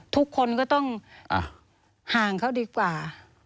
ทุกคนก็ต้องห่างเขาดีกว่า